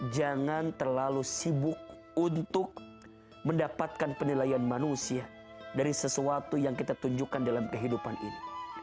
jangan terlalu sibuk untuk mendapatkan penilaian manusia dari sesuatu yang kita tunjukkan dalam kehidupan ini